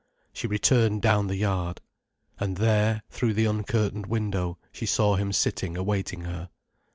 She returned down the yard. And there, through the uncurtained window, she saw him sitting awaiting her.